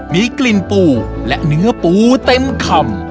มีกลิ่นปูและเนื้อปูเต็มคำ